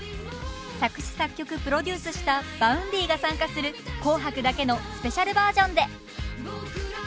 作詞作曲プロデュースしたＶａｕｎｄｙが参加する「紅白」だけのスペシャルバージョンで。